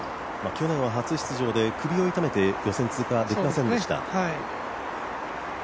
去年は初出場で、首を痛めて予選通過できませんでした。